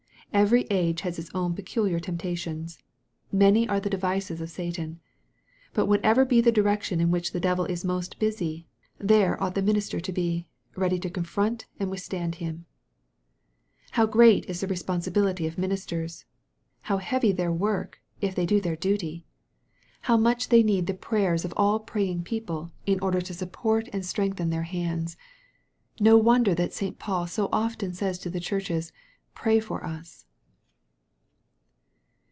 Every age has its own peculiar temptations. Many are the devices of Satan. But whatever be the direction in which the devil is most busy, there ought the minister to be, ready to confront and withstand him. How great is the responsibility of ministers ! How heavy their work, if they do their duty ! How much t>2 EXPOSITORY THOUGHTS. they need the prayers of all praying people, in order to support and strengthen their hands ! No wonder that St. Paul says so often to the churches, " Pray for us."